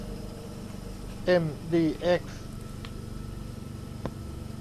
เอ็ม ดี เอ็กซ์